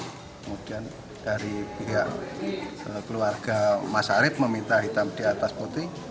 kemudian dari pihak keluarga mas arief meminta hitam di atas putih